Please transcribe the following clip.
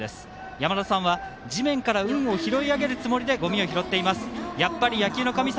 やまださんは地面から運を拾うつもりでごみを拾っています。